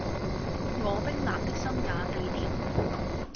我冰冷的心也被點燃